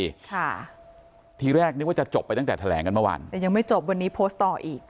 ค่ะทีแรกนึกว่าจะจบไปตั้งแต่แถลงกันเมื่อวานแต่ยังไม่จบวันนี้โพสต์ต่ออีก